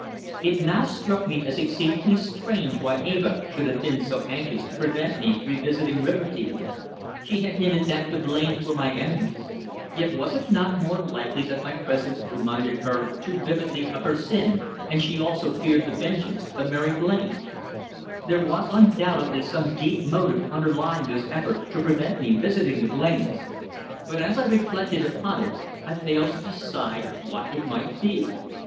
It now struck me as exceedingly strange why Eva should have been so anxious to prevent me revisiting Riverdene. She had hinted that the Blains were my enemies, yet was it not more likely that my presence reminded her too vividly of her sin, and she also feared the vengeance of Mary Blain? There was undoubtedly some deep motive underlying this effort to prevent me visiting the Blains, but as I reflected upon it I failed to decide what it might be.